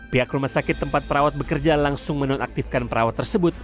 pihak rumah sakit tempat perawat bekerja langsung menonaktifkan perawat tersebut